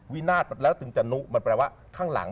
วินาศแล้วถึงจะนุมันแปลว่าข้างหลัง